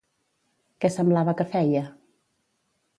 Què semblava que feia?